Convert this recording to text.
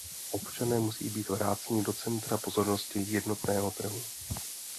Občané musí být vráceni do centra pozornosti jednotného trhu.